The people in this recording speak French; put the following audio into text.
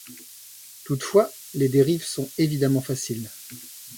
Toutefois, les dérives sont évidemment faciles.